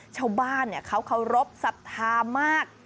ชาวบ้านเขาเคารพสัทธามาก